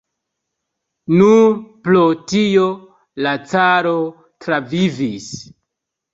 Nur pro tio la caro travivis.